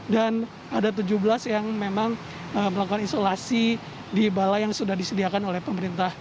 dan ada tujuh belas yang memang melakukan isolasi di balai yang sudah disediakan oleh pemerintah